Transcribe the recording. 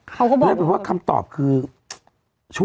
อืมนะฮะเรื่องเป็นว่าคำตอบคือชั่ว